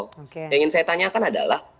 yang ingin saya tanyakan adalah